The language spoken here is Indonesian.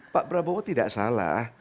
pak prabowo tidak salah